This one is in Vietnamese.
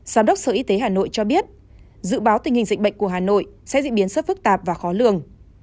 giám đốc sở y tế hà nội cho biết dự báo tình hình dịch bệnh của hà nội sẽ diễn biến rất phức tạp và khó lường